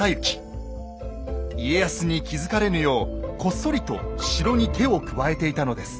家康に気付かれぬようこっそりと城に手を加えていたのです。